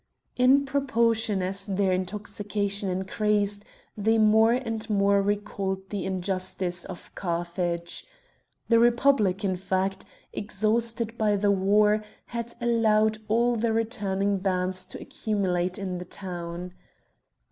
In proportion as their intoxication increased they more and more recalled the injustice of Carthage. The Republic, in fact, exhausted by the war, had allowed all the returning bands to accumulate in the town.